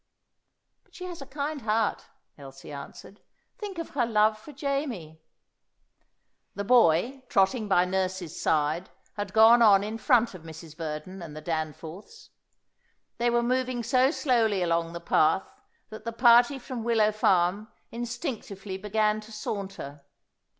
"But she has a kind heart," Elsie answered. "Think of her love for Jamie." The boy, trotting by nurse's side, had gone on in front of Mrs. Verdon and the Danforths. They were moving so slowly along the path that the party from Willow Farm instinctively began to saunter.